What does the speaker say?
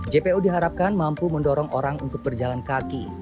jpo diharapkan mampu mendorong orang untuk berjalan kaki